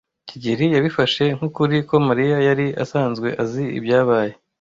kigeli yabifashe nk'ukuri ko Mariya yari asanzwe azi ibyabaye.